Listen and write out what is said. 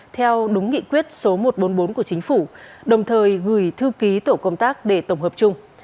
theo đúng nghị quyết số một trăm bốn mươi bốn của chính phủ đồng thời gửi thư ký tổ công tác để tổng hợp chung